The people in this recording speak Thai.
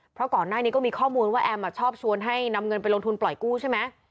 เพราะก่อนหน้านี้ก็มีข้อมูลว่าแอมชอบชวนให้นำเงินไปลงทุนปล่อยกู้ใช่ไหม